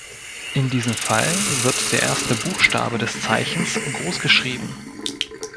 In diesem Fall wird der erste Buchstabe des Zeichens großgeschrieben.